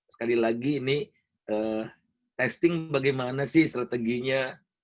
sekali lagi ini testing bagaimana sih strateginya